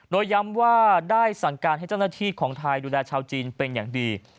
โดยย้ำว่าได้สั่งการให้เจ้าหน้าที่ของไทยดูแลชาวจีนเป็นอย่างดี